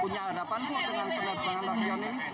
punya harapan dengan pelepasan lampion ini